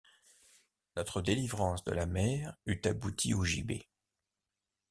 Notre délivrance de la mer eût abouti au gibet.